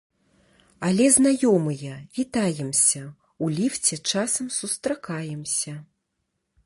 Але знаёмыя, вітаемся, у ліфце часам сустракаемся.